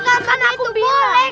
karena itu boleh